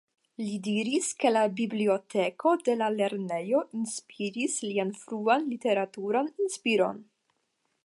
Li diris ke la biblioteko de la lernejo inspiris lian fruan literaturan inspiron.